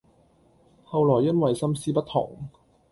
後來因爲心思不同，